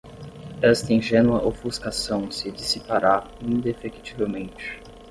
esta ingênua ofuscação se dissipará indefectivelmente